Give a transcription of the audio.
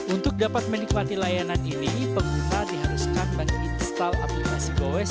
untuk dapat menikmati layanan ini pengguna diharuskan menginstal aplikasi goes